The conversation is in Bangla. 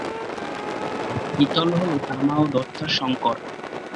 পিতল হল তামা ও দস্তার সংকর।